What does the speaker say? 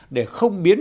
để không biến